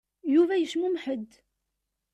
Yuba yecmumeḥ-d.